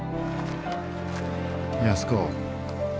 安子。